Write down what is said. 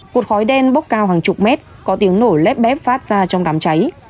cột khói đen bốc cao hàng chục mét có tiếng nổ lép bép phát ra trong đám cháy